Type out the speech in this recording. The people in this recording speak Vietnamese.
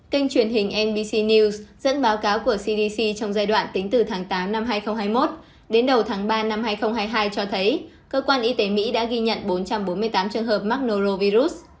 kênh truyền hình nbc news dẫn báo cáo của cdc trong giai đoạn tính từ tháng tám năm hai nghìn hai mươi một đến đầu tháng ba năm hai nghìn hai mươi hai cho thấy cơ quan y tế mỹ đã ghi nhận bốn trăm bốn mươi tám trường hợp mắc norovius